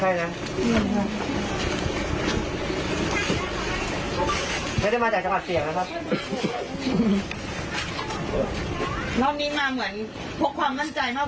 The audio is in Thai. กลุ่มความมั่นใจมากกว่าเดียวกันดีพี่ตั้ม